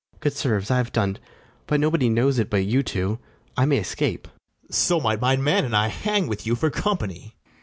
Good sirs, I have done't: but nobody knows it but you two; I may escape. BARABAS. So might my man and I hang with you for company.